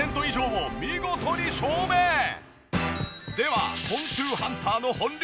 では昆虫ハンターの本領発揮！